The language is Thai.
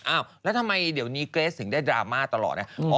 อ้าวแล้วทำไมเดี๋ยวนี้เกรสถึงได้ดราม่าตลอดนะ